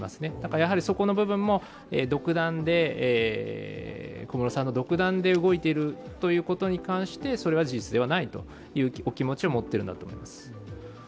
やはりそこの部分も小室さんの独断で動いているということに関してそれは事実ではないというお気持ちを持っているんだと思います。